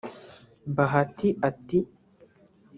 Bahati ati